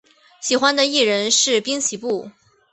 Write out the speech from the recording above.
喜欢的艺人是滨崎步。